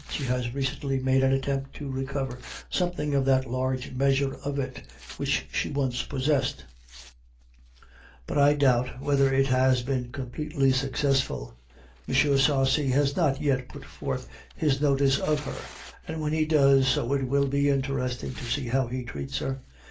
She has recently made an attempt to recover something of that large measure of it which she once possessed; but I doubt whether it has been completely successful. M. Sarcey has not yet put forth his notice of her; and when he does so it will be interesting to see how he treats her.